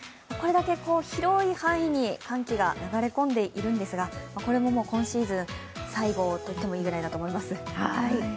これだけ広い範囲に寒気が流れ込んでいるんですがこれももう今シーズン、最後といってもいいぐらいだと思います。